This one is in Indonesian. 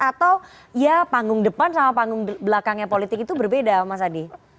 atau ya panggung depan sama panggung belakangnya politik itu berbeda mas adi